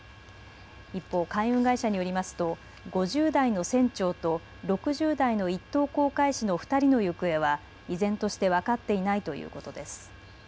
一方、海運会社によりますと５０代の船長と６０代の一等航海士の２人の行方は依然として分かっていないということです。